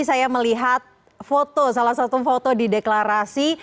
saya melihat foto salah satu foto di deklarasi